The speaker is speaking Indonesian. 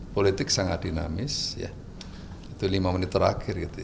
politik sangat dinamis itu lima menit terakhir